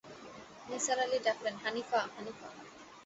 নিসার আলি ডাকলেন, হানিফা, হানিফা।